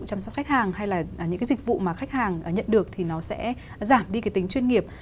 chăm sóc khách hàng hay là những cái dịch vụ mà khách hàng nhận được thì nó sẽ giảm đi cái tính chuyên nghiệp